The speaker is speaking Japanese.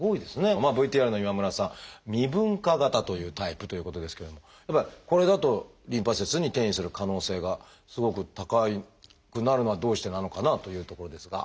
まあＶＴＲの今村さん「未分化型」というタイプということですけれどもこれだとリンパ節に転移する可能性がすごく高くなるのはどうしてなのかなというところですが。